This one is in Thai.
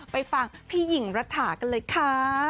ไปฟังพี่หญิงรัฐากันเลยค่ะ